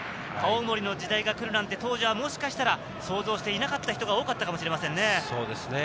青森の時代が来るなんて当時はもしかしたら想像していなかった人が多かったかもしれませんね。